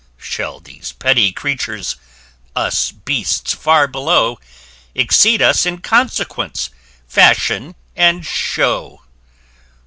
Shall these petty creatures, us beasts far below, Exceed us in consequence, fashion, and show?